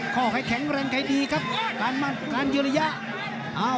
ข้อไขแข็งแรงไขดีครับการเยื้อระยะ